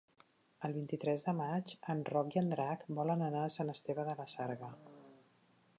El vint-i-tres de maig en Roc i en Drac volen anar a Sant Esteve de la Sarga.